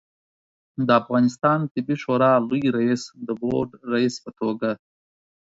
د افغانستان طبي شورا لوي رئیس د بورد رئیس په توګه